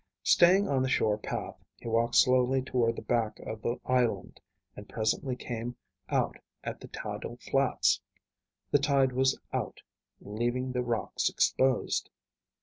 Staying on the shore path, he walked slowly toward the back of the island and presently came out at the tidal flats. The tide was out, leaving the rocks exposed.